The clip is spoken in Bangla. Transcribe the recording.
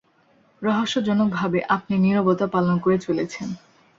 রহস্যজনকভাবে আপনি নীরবতা পালন করে চলেছেন।